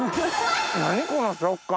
何この食感！